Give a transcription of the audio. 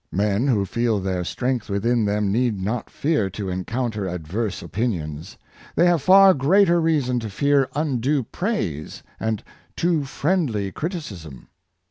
Men who feel their strength within them need not fear to en counter adverse opinions; they have far greater rea son to fear undue praise and too friendly criticism.